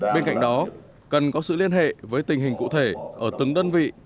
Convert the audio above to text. bên cạnh đó cần có sự liên hệ với tình hình cụ thể ở từng đơn vị